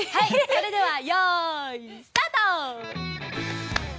それではよいスタート！